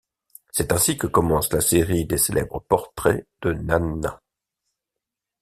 C'est ainsi que commence la série des célèbres portraits de Nanna.